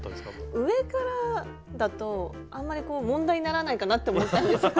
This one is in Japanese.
上からだとあんまり問題にならないかなって思ったんですよね。